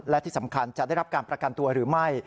และที่สำคัญจะได้รับการประกันตัวหรือไม่